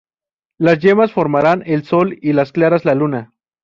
Las yemas formarán el sol y las claras, la luna.